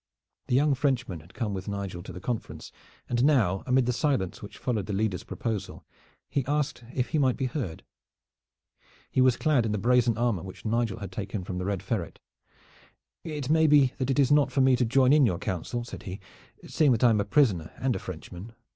The young Frenchman had come with Nigel to the conference, and now, amid the silence which followed the leader's proposal, he asked if he might be heard. He was clad in the brazen armor which Nigel had taken from the Red Ferret. "It may be that it is not for me to join in your counsel," said he, "seeing that I am a prisoner and a Frenchman.